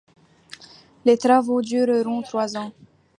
Les travaux dureront trois ans.